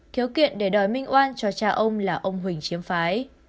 thiếu kiện để đòi minh oan cho cha ông là ông huỳnh chiếm phái